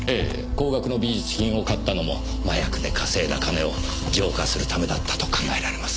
高額の美術品を買ったのも麻薬で稼いだ金を浄化するためだったと考えられます。